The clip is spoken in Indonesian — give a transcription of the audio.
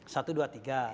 satu dua tiga